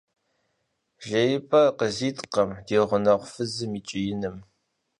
Жеипӏэ къызиткъым ди гъунэгъу фызым и кӏииным.